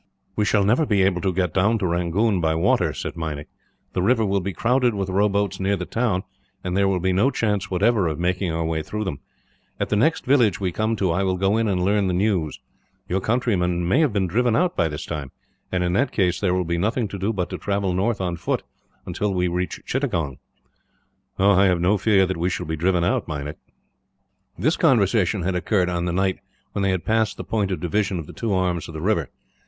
"We shall never be able to get down to Rangoon by water," said Meinik. "The river will be crowded with rowboats near the town; and there will be no chance, whatever, of making our way through them. At the next village we come to, I will go in and learn the news. Your countrymen may have been driven out by this time and, in that case, there will be nothing to do but to travel north on foot, until we reach Chittagong." "I have no fear that we shall be driven out, Meinik." This conversation had occurred on the night when they had passed the point of division of the two arms of the river.